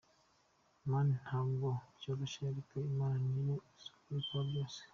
Man ntabwo byoroshye ariko Imana niyo izi ukuri kwa byose.